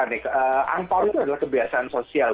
nah ini kebiasaan nih angpaunya adalah kebiasaan sosial